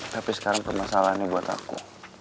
tapi sekarang permasalahannya buat aku